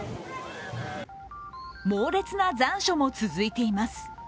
猛烈な残暑も続いています。